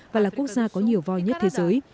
và là quốc gia có nhiều voi nhất thế giới